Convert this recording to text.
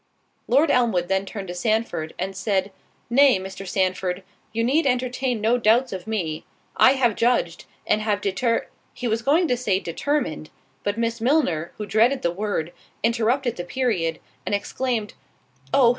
Lord Elmwood then turned to Sandford, and said, "Nay, Mr. Sandford, you need entertain no doubts of me—I have judged, and have deter——" He was going to say determined; but Miss Milner, who dreaded the word, interrupted the period, and exclaimed, "Oh!